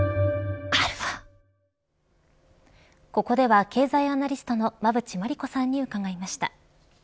ここでは経済アナリストの馬渕磨理子さんに伺いました。